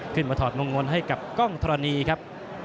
ขึ้นมาถอดมงคลให้กับก้องธรณีครับ